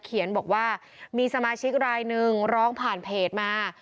เขียนบอกว่ามีสมาชิกรายหนึ่งร้องผ่านเพจมา